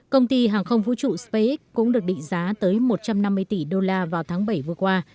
công ty hàng không vũ trụ spacex cũng được định giá tới một trăm năm mươi tỷ đô la vào tháng bảy vừa qua